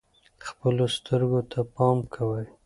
خپلو سترګو ته پام کوئ.